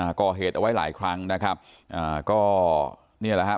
ก่อเหตุเอาไว้หลายครั้งนะครับอ่าก็เนี่ยแหละฮะ